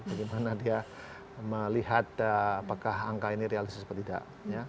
bagaimana dia melihat apakah angka ini realistis atau tidak